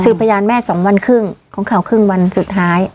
คือพยานแม่๒วันครึ่งของเขาครึ่งวันสุดท้าย